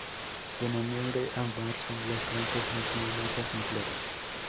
De noviembre a marzo las plantas no tienen hojas ni flores.